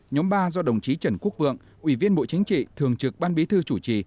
nhóm ba do đồng chí trần quốc vượng ủy viên bộ chính trị thường trực ban bí thư chủ trì